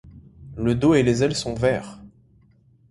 Le dos et les ailes sont verts.